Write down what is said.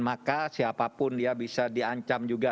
maka siapapun dia bisa diancam juga